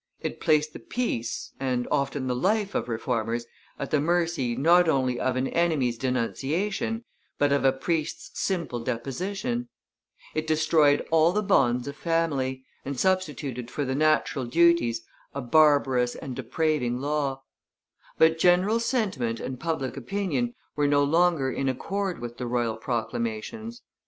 it placed the peace, and often the life, of Reformers at the mercy not only of an enemy's denunciation, but of a priest's simple deposition; it destroyed all the bonds of family, and substituted for the natural duties a barbarous and depraving law; but general sentiment and public opinion were no longer in accord with the royal proclamations.